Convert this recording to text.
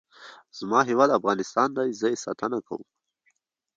زما هیواد افغانستان دی. زه یې ساتنه کوم.